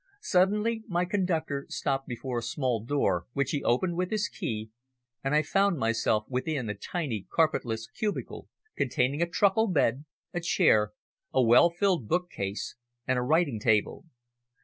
Suddenly my conductor stopped before a small door, which he opened with his key, and I found myself within a tiny, carpetless cubicle containing a truckle bed, a chair, a well filled bookcase and a writing table.